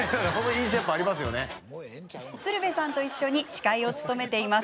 鶴瓶さんとともに司会を務めています。